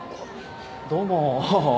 どうも。